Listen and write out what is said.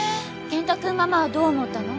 健太君ママはどう思ったの？